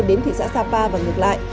đến thị xã sapa và ngược lại